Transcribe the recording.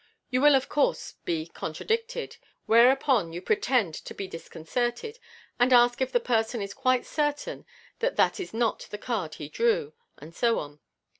You will, of course, be contradicted, where upon you pretend to be disconcerted, and ask if the person is quite certain that that is not the card he drew, and so on.